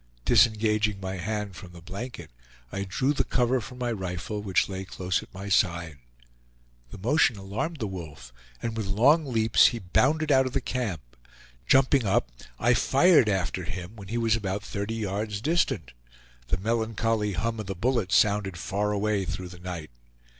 Disengaging my hand from the blanket, I drew the cover from my rifle, which lay close at my side; the motion alarmed the wolf, and with long leaps he bounded out of the camp. Jumping up, I fired after him when he was about thirty yards distant; the melancholy hum of the bullet sounded far away through the night.